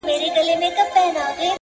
موږكانو ته معلوم د پيشو زور وو٫